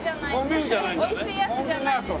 おいしいやつじゃないです。